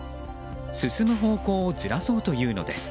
進む方向をずらそうというのです。